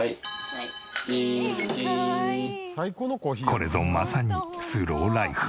これぞまさにスローライフ。